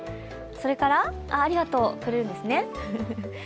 それから、ありがとうくれるんですね。